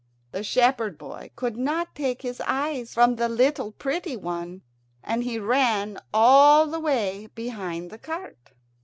The shepherd boy could not take his eyes from the little pretty one, and he ran all the way behind the cart.